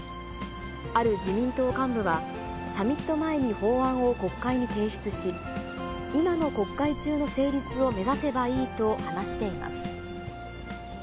ある自民党幹部は、サミット前に法案を国会に提出し、今の国会中の成立を目指せばいいと話しています。